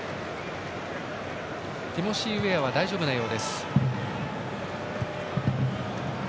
ティモシー・ウェアは大丈夫なようです。